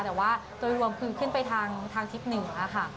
แต่ว่าโดยรวมคือขึ้นไปทางทิศเหนือค่ะ